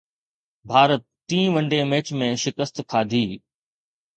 ڀارت ٽئين one day match ۾ شڪست کاڌي